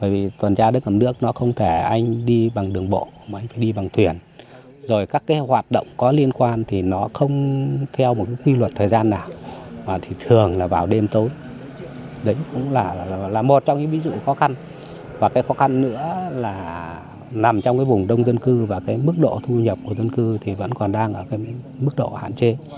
và cái khó khăn nữa là nằm trong cái vùng đông dân cư và cái mức độ thu nhập của dân cư thì vẫn còn đang ở cái mức độ hạn chế